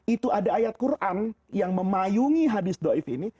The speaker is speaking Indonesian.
itu ada ayat quran yang memayungi hadis do'if ini